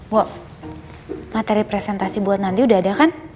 wow materi presentasi buat nanti udah ada kan